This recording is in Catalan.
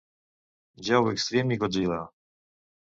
Joe Extreme i Godzilla.